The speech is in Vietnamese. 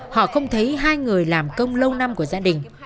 họ không thấy hai người làm công lâu năm của gia đình